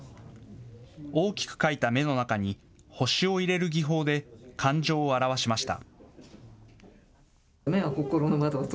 大きく描いた目の中に星を入れる技法で感情を表しました。